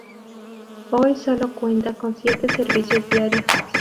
Hoy sólo cuenta con siete servicios diarios.